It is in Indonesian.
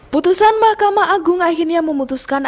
putusan mahkamah agung akhirnya memutuskan